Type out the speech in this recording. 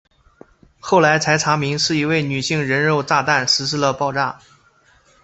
后来才查明是一位女性人肉炸弹实施了爆炸。